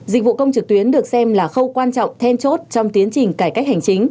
dịch vụ công trực tuyến được xem là khâu quan trọng then chốt trong tiến trình cải cách hành chính